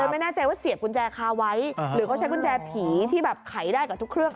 ไม่แน่ใจว่าเสียบกุญแจคาไว้หรือเขาใช้กุญแจผีที่แบบไขได้กับทุกเครื่อง